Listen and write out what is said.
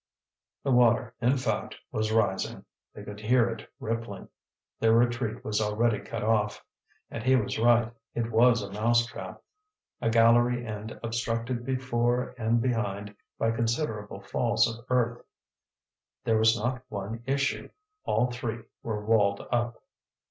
The water, in fact, was rising; they could hear it rippling. Their retreat was already cut off. And he was right; it was a mousetrap, a gallery end obstructed before and behind by considerable falls of earth. There was not one issue; all three were walled up.